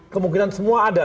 kemungkinan semua ada